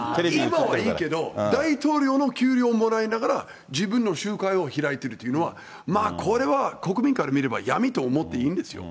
今はいいけど、大統領の給料もらいながら自分の集会を開いているというのは、まあ、これは国民から見れば闇と思っていいんですよ。